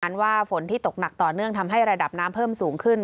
ว่าฝนที่ตกหนักต่อเนื่องทำให้ระดับน้ำเพิ่มสูงขึ้น